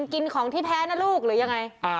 กินของที่แพ้นะลูกหรือยังไง